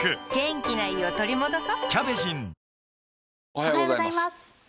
おはようございます。